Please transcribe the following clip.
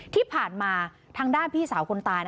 ที่ผ่านมาทางด้านพี่สาวคนตาย